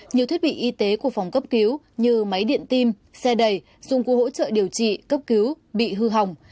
nhiều thiết bị y tế của phòng cấp cứu như máy điện tim xe đầy dụng cụ hỗ trợ điều trị cấp cứu bị hư hỏng